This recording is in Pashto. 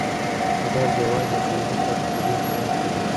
درد یوازې د ژوندي پاتې کیدو په وخت کي وي.